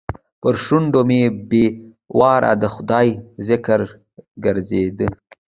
پر شونډو مې بې واره د خدای ذکر ګرځېده.